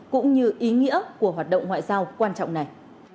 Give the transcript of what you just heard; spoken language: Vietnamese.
cũng như ý nghĩa của hoạt động ngoại giao quan trọng này